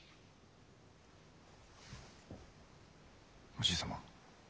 おじい様？